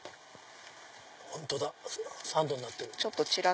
本当だサンドになってる。